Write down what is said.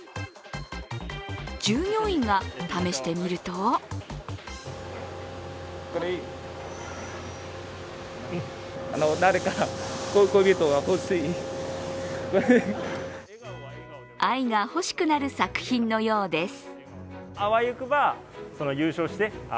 従業員が試してみると愛が欲しくなる作品のようです。